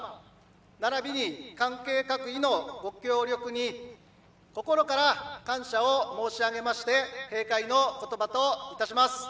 ならびに関係各位のご協力に心から感謝を申し上げまして閉会の言葉といたします。